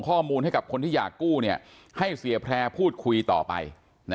ข้อมูลให้กับคนที่อยากกู้ให้เสียแพร่พูดคุยต่อไป